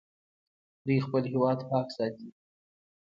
دوی خپل هیواد پاک ساتي.